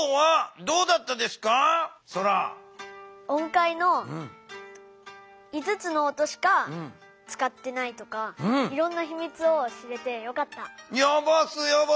音階の５つの音しかつかってないとかいろんなひみつを知れてよかった。